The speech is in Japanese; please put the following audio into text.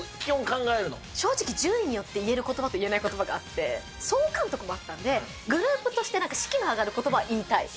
正直、順位によって、言えることばと言えないことばがあったので、総監督だったので、グループとして、なんか士気の上がることばを言いたい。